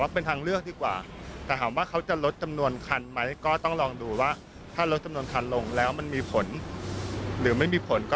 ปกติเราเคยขึ้นรถตู้ใช่ไหมคะ